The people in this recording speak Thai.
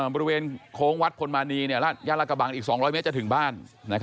บริเวณโค้งวัดพลมานีย่านละกระบังอีก๒๐๐เมตรจะถึงบ้าน